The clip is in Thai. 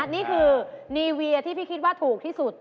นี่คือนีเวียที่พี่คิดว่าถูกที่สุด